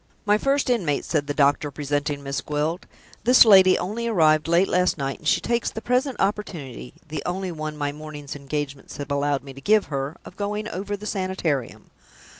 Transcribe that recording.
"My First Inmate," said the doctor, presenting Miss Gwilt. "This lady only arrived late last night; and she takes the present opportunity (the only one my morning's engagements have allowed me to give her) of going over the Sanitarium.